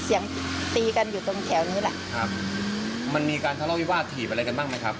เสียงตีกันอยู่ตรงแถวนี้แหละครับมันมีการทะเลาวิวาสถีบอะไรกันบ้างไหมครับ